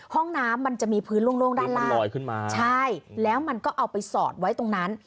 ห้องน้ำมันจะมีพื้นโล่งด้านล่างลอยขึ้นมาใช่แล้วมันก็เอาไปสอดไว้ตรงนั้น